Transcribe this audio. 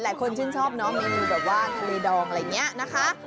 หลายคนชื่นชอบเมนูแบบว่าทะเลดองอะไรอย่างนี้นะคะ